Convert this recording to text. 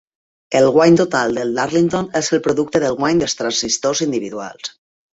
El guany total del Darlington és el producte del guany dels transistors individuals.